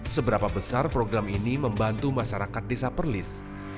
seberapa besar program ini membantu masyarakat desa perlis